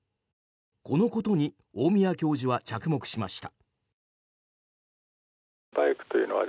このことに大宮教授は着目しました。